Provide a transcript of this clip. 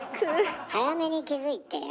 早めに気付いてよ。